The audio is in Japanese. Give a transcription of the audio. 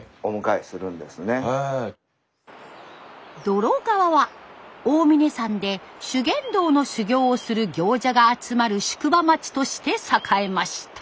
洞川は大峯山で修験道の修行をする行者が集まる宿場町として栄えました。